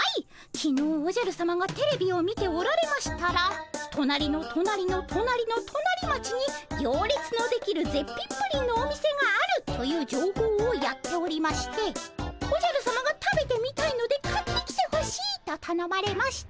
きのうおじゃるさまがテレビを見ておられましたら隣の隣の隣の隣町に行列のできる絶品プリンのお店があるというじょうほうをやっておりましておじゃるさまが食べてみたいので買ってきてほしいとたのまれましたので。